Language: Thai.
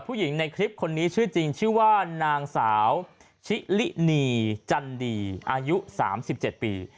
ผู้หญิงในคลิปคนนี้ชื่อจริงชื่อว่านางสาวชิลินีจันดีอายุ๓๗ปี